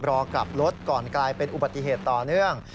รอกลับรถก่อนกลายเป็นอุบัติเหตุต่อเนื่อง